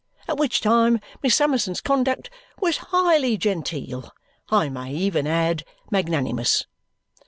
At which time Miss Summerson's conduct was highly genteel; I may even add, magnanimous."